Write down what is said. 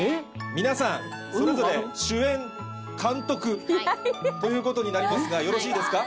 皆さんそれぞれ主演監督ということになりますがよろしいですか？